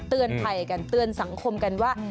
เตือนภัยกันเตือนสังคมกันว่า